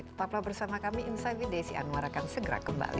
tetaplah bersama kami insight with desi anwar akan segera kembali